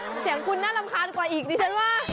เสียงคุณน่ารำคาญกว่าอีกดิฉันว่า